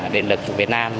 điện lực việt nam